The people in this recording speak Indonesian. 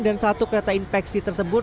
dan satu kereta infeksi tersebut